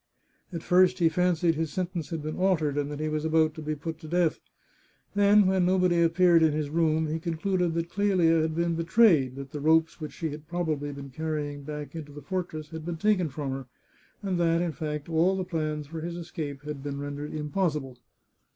At first he fancied his sentence had been altered, and that he was about to be put to death. Then, when nobody appeared in his room, he concluded that Clelia had been betrayed, that the ropes which she had probably been conveying back into the fortress had been taken from her, and that, in fact, all the plans for his escape had been ren dered impossible.